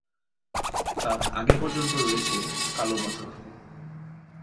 তার আগে পর্যন্ত রয়েছে কালো পাথর।